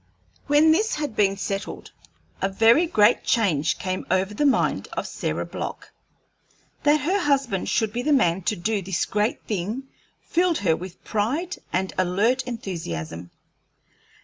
When this had been settled, a very great change came over the mind of Sarah Block. That her husband should be the man to do this great thing filled her with pride and alert enthusiasm.